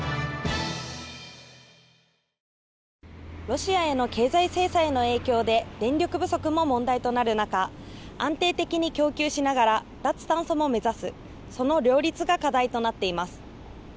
ロシアへの経済制裁の影響で電力不足も問題となる中安定的に供給しながら脱炭素も目指すその両立が課題となっています。